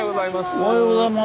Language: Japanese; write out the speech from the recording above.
おはようございます。